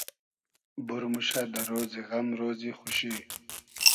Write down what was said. بور موشۂ دۂ رۉزی غئم رۉزی خوشی